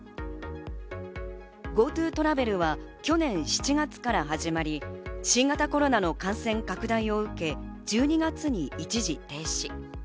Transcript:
ＧｏＴｏトラベルは去年７月から始まり、新型コロナの感染拡大を受け、１２月に一時停止。